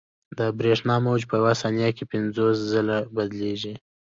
د برېښنا موج په یوه ثانیه کې پنځوس ځلې بدلېږي.